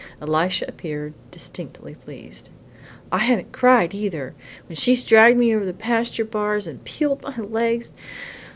Elisha appeared distinctly pleased. "I haven't cried, either, when she's dragged me over the pasture bars and peeled my legs.